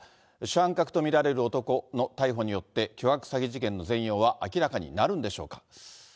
主犯格と見られる男の逮捕によって、巨額詐欺事件の全容は明らかになるんでしょうか。